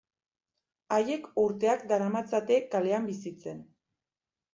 Haiek urteak daramatzate kalean bizitzen.